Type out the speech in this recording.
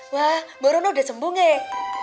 wah borono udah sembunyai